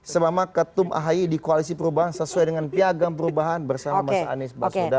selama ketum ahi di koalisi perubahan sesuai dengan piagam perubahan bersama mas anies baswedan